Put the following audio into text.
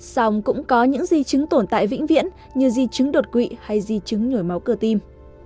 xong cũng có những di chứng tồn tại vĩnh viễn như di chứng đột quỵ hay di chứng nhồi máu cơ tim